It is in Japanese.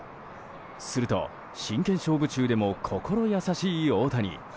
すると、真剣勝負中でも心優しい大谷。